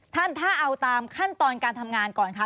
ท่านถ้าเอาตามขั้นตอนการทำงานก่อนคะ